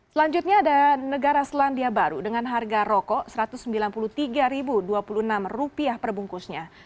selanjutnya ada negara selandia baru dengan harga rokok rp satu ratus sembilan puluh tiga dua puluh enam perbungkusnya